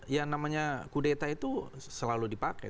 ya namanya kudeta itu selalu dipakai